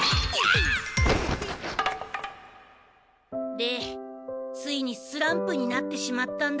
でついにスランプになってしまったんだ。